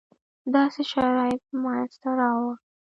داسې شرایط منځته راوړو.